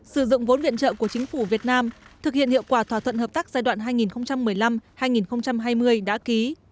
sử dụng vốn viện trợ của chính phủ việt nam thực hiện hiệu quả thỏa thuận hợp tác giai đoạn hai nghìn một mươi năm hai nghìn hai mươi đã ký